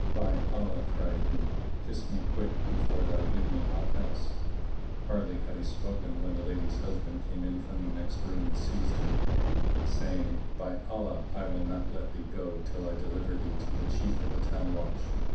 "By Allah," cried he, "kiss me quick before thou give me aught else."[FN#642] Hardly had he spoken, when the lady's husband came in from the next room[FN#643] and seized him, saying, "By Allah, I will not let thee go, till I deliver thee to the chief of the town watch."